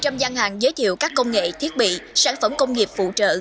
trong gian hàng giới thiệu các công nghệ thiết bị sản phẩm công nghiệp phụ trợ